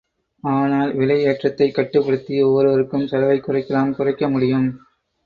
ஆனால், விலை ஏற்றத்தைக் கட்டுப்படுத்தி ஒவ்வொருவருக்கும் செலவைக் குறைக்கலாம், குறைக்க முடியும்.